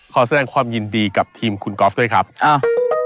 แสดงความยินดีกับทีมคุณก๊อฟด้วยครับอ้าว